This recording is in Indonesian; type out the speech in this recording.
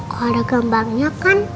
kalau gambarnya kan